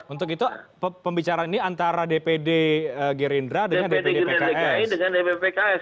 untuk itu pembicaraan ini antara dpd gerindra dengan dpd pks